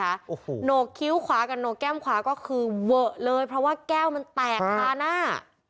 โอ้โหโหนกคิ้วขวากับโหนกแก้มขวาก็คือเวอะเลยเพราะว่าแก้วมันแตกทาหน้า